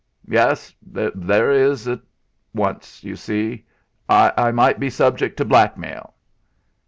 "Yes, there it is at once, you see. I might be subject to blackmail."